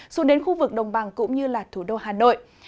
xuống đến khu vực đồng bằng cũng như là thủ đô hà nội